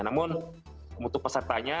namun untuk pesertanya